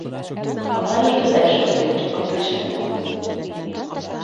A város több első osztályú csapattal is rendelkezik.